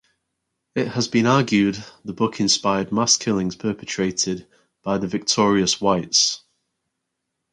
It has been argued the book inspired mass killings perpetrated by the victorious Whites.